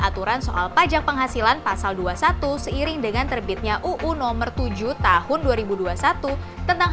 aturan soal pajak penghasilan pasal dua puluh satu seiring dengan terbitnya uu nomor tujuh tahun dua ribu dua puluh satu tentang